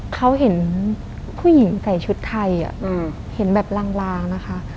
เขาเห็นผู้หญิงใส่ชุดไทยเห็นแบบลางนะคะ